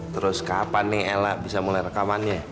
terus kapan nih ella bisa mulai rekamannya